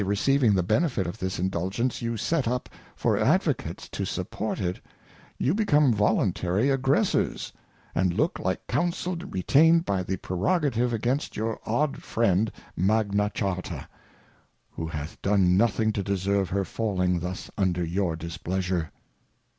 135 receiving the Benefit of this IndulgencSj you set up for Advo cates to support it, you become voluntary Ag gressors, and look liKe~"Counsel retained™ by the Prerogative against _your old Frien A_S^gna'V^ClX.ia^^ho hath done npthing to deserve her falling thus unj.e£your_Dis^easure.